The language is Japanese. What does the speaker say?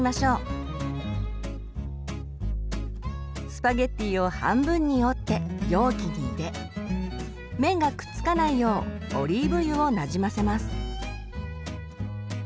スパゲッティを半分に折って容器に入れ麺がくっつかないようオリーブ油をなじませます。